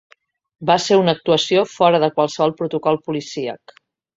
Va ser una actuació fora de qualsevol protocol policíac.